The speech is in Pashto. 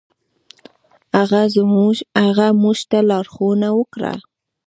هغه موږ ته لارښوونه وکړه.